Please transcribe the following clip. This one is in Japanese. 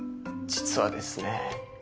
実はですね